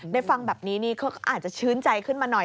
ฟังแบบนี้นี่เขาอาจจะชื้นใจขึ้นมาหน่อย